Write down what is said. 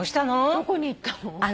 どこに行ったの？